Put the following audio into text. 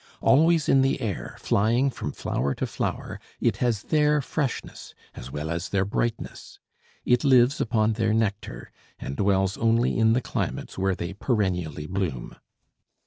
Always in the air, flying from flower to flower, it has their freshness as well as their brightness. It lives upon their nectar, and dwells only in the climates where they perennially bloom.